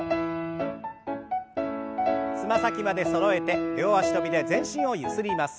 つま先までそろえて両脚跳びで全身をゆすります。